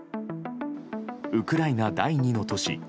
ウクライナ第２の都市